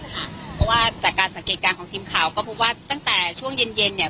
ว่าท่านการสังเกตการณ์ของทีมข้างก็บอกว่าตั้งแต่ช่วงเย็นเย็นเนี้ย้